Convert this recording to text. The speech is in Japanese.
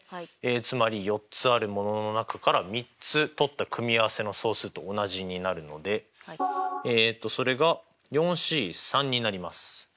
つまり４つあるものの中から３つ取った組合せの総数と同じになるのでえっとそれがＣになります。